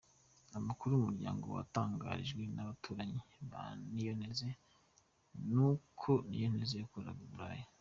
Amakuru Umuryango watangarijwe n’ abaturanyi ba Niyonteze ni uko Niyonteze yakoraga uburaya.